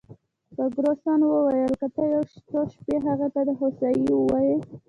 فرګوسن وویل: که ته یو څو شپې هغې ته د هوسایۍ وواېې.